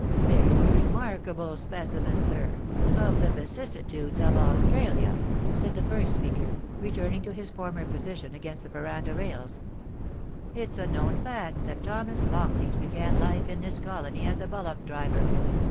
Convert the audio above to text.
*A r«narkable specimen, sir, of the wcissitudes of Australia,' said the first speaker, returning to his former position against the verandah rails. ' It's a known fact that Thomas Longleat began life in this colony as a bullock driver.